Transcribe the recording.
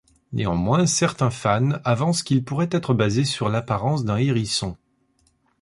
Néanmoins, certains fans avancent qu'ils pourraient être basés sur l'apparence d'un hérisson.